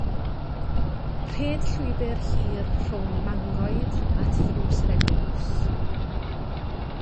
Rhed llwybr hir rhwng mangoed at ddrws yr eglwys.